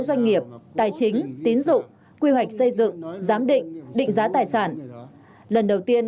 doanh nghiệp tài chính tín dụng quy hoạch xây dựng giám định định giá tài sản lần đầu tiên